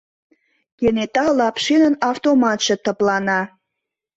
Кенета Лапшинын автоматше тыплана.